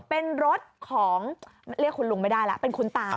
เป็นรถของเรียกคุณลุงไม่ได้แล้วเป็นคุณตา